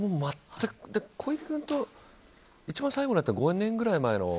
小池君と一番最後に会ったのは５年ぐらい前の。